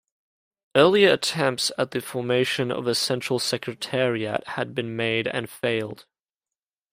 Earlier attempts at the formation of a central secretariat had been made and failed.